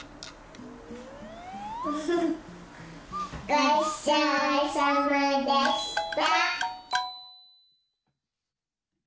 ごちそうさまでした。